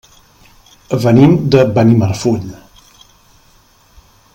Venim de Benimarfull.